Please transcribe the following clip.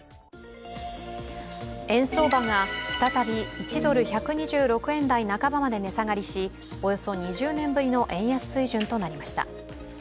円相場が再び１ドル＝１２６円台半ばまで値下がりしおよそ２０年ぶりの円安水準となりました。